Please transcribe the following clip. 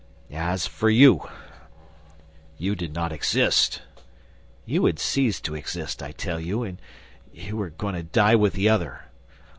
"As for you, you did not exist, you had ceased to exist, I tell you, and you were going to die with the other!